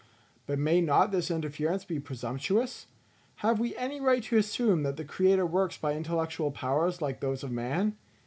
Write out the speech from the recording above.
But may not this inference be presumptuous? Have we any right to assume that the Creator works by intellectual powers like those of man?